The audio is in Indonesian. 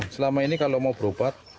selama ini kalau mau berobat